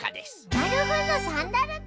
なるほどサンダルか。